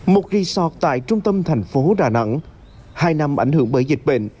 một resort tại trung tâm thành phố đà nẵng hai năm ảnh hưởng bởi dịch bệnh